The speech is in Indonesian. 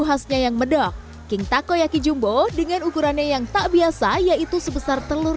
khasnya yang medok king takoyaki jumbo dengan ukurannya yang tak biasa yaitu sebesar telur